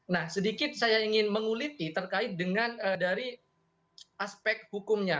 nah sedikit saya ingin menguliti terkait dengan dari aspek hukumnya